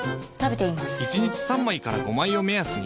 １日３枚から５枚を目安に。